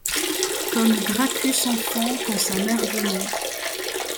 Comme Gracchus enfant quand-sa mère venait ;